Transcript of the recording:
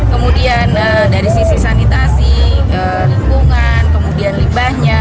kemudian dari sisi sanitasi lingkungan kemudian limbahnya